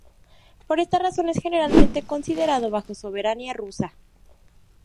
Por esta razón, es generalmente considerado bajo soberanía rusa.